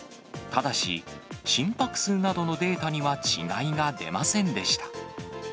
ただし、心拍数などのデータには違いが出ませんでした。